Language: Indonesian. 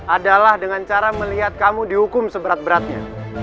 adalah dengan cara melihat kamu dihukum seberat beratnya